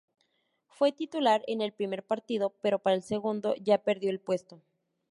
Fue titular en el primer partido pero para el segundo ya perdió el puesto.